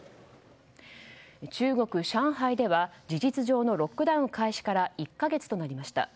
中国・上海では事実上のロックダウン開始から１か月となりました。